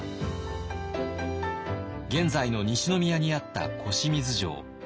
現在の西宮にあった越水城。